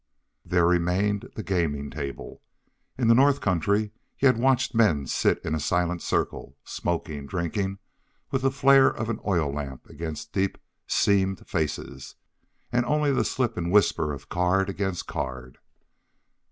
There remained the gaming table. In the north country he had watched men sit in a silent circle, smoking, drinking, with the flare of an oil lamp against deep, seamed faces, and only the slip and whisper of card against card.